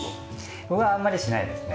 僕はあんまりしないですね。